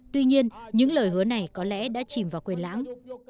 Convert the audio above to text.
tuy nhiên những lời hứa này có lẽ đã chìm vào quyền lãng